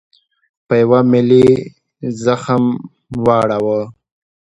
په یوه ملي زخم واړاوه.